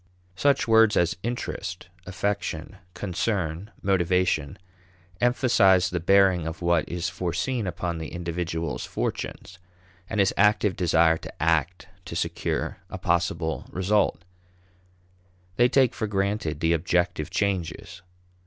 Such words as interest, affection, concern, motivation, emphasize the bearing of what is foreseen upon the individual's fortunes, and his active desire to act to secure a possible result. They take for granted the objective changes.